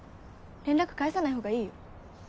連絡返さない方がいいよ。